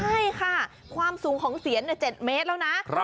ใช่ค่ะความสูงของเสียน๗เมตรแล้วนะ